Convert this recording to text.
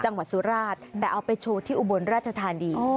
จังหวัดสุราชแต่เอาไปโชว์ที่อุบลราชธานี